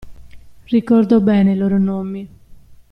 Ricordo bene i loro nomi.